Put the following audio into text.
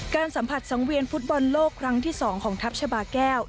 สัมผัสสังเวียนฟุตบอลโลกครั้งที่๒ของทัพชาบาแก้ว